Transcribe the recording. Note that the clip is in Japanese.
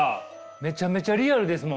めちゃめちゃリアルですもんね。